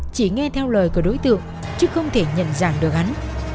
chỉ nghe theo lời của đối tượng chứ không thể nhận dạng được hắn